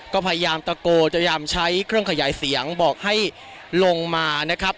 ก็พยายามตะโกนพยายามใช้เครื่องขยายเสียงบอกให้ลงมานะครับ